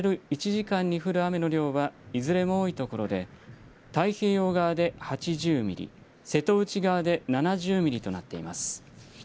１時間に降る雨の量はいずれも多い所で、太平洋側で８０ミリ、瀬戸内側で７０ミリとなっています。